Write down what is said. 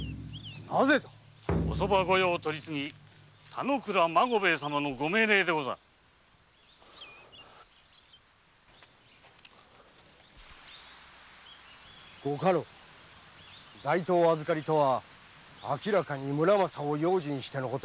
なぜだ田之倉孫兵衛様のご命令でござるご家老大刀預かりとは明らかに「村正」を用心してのこと。